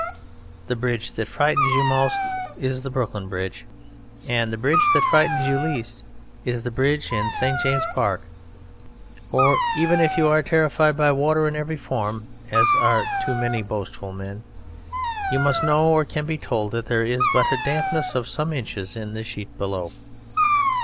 The bridge that frightens you most is the Brooklyn Bridge, and the bridge that frightens you least is the bridge in St. James's Park; for even if you are terrified by water in every form, as are too many boastful men, you must know, or can be told, that there is but a dampness of some inches in the sheet below.